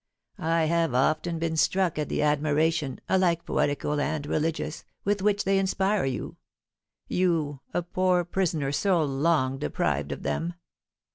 I have often been struck at the admiration, alike poetical and religious, with which they inspire you, you, a poor prisoner so long deprived of them.